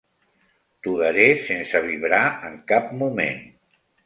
T'ho daré sense vibrar en cap moment.